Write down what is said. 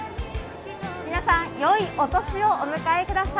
皆さんよいお年をお迎えください。